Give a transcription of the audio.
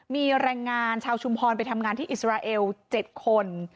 มีแรงงานชาวชุมพรไปทำงานที่อิสราเอล๗คน